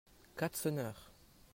Quatre sonneurs.